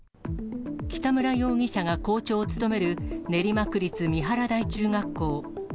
北村容疑者が校長を務める練馬区立三原台中学校。